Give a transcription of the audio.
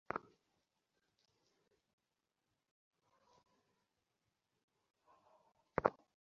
কিন্তু সেই দিন বিকালেই জিনিস আসিল।